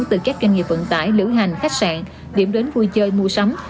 từ các doanh nghiệp vận tải lữ hành khách sạn điểm đến vui chơi mua sắm